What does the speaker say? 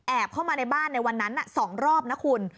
เข้ามาในบ้านในวันนั้น๒รอบนะคุณ